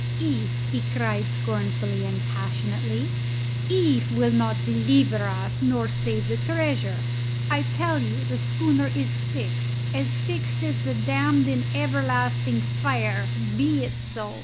"If!" he cried scornfully and passionately. "If will not deliver us nor save the treasure. I tell you the schooner is fixed as fixed as the damned in everlasting fire. Be it so!"